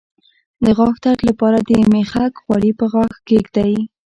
د غاښ درد لپاره د میخک غوړي په غاښ کیږدئ